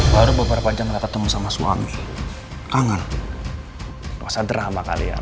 baru beberapa jam ketemu sama suami kangen masa drama kalian